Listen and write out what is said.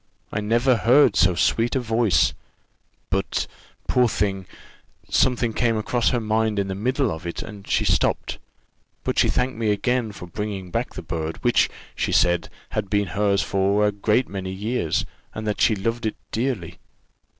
I never heard so sweet a voice; but, poor thing, something came across her mind in the middle of it, and she stopped; but she thanked me again for bringing back the bird, which, she said, had been hers for a great many years, and that she loved it dearly.